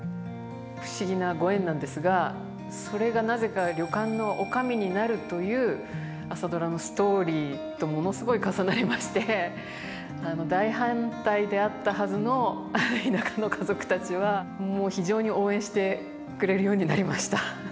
不思議なご縁なんですがそれがなぜか旅館の女将になるという「朝ドラ」のストーリーとものすごい重なりまして大反対であったはずの田舎の家族たちはもう非常に応援してくれるようになりました。